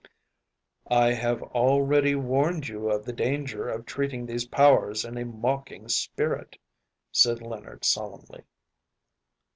“I have already warned you of the danger of treating these powers in a mocking spirit,‚ÄĚ said Leonard solemnly.